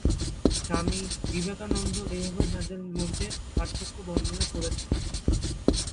স্বামী বিবেকানন্দ এইভাবে তাদের মধ্যে পার্থক্য বর্ণনা করেছেন।